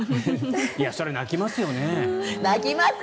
それは泣きますよね。